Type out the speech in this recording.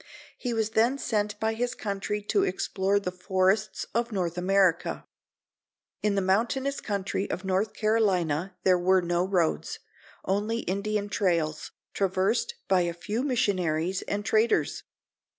He was then sent by his country to explore the forests of North America. In the mountainous country of North Carolina there were no roads, only Indian trails, traversed by a few missionaries and traders.